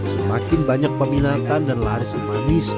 semakin banyak peminatan dan larisan manis